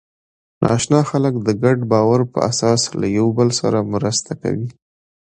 ناآشنا خلک د ګډ باور په اساس له یوه بل سره مرسته کوي.